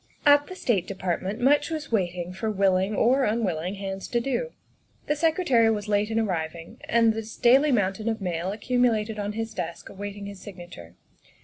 At the State Department much was waiting for will ing or unwilling hands to do. The Secretary was late in arriving, and the daily mountain of mail accumulated on his desk awaiting his signature.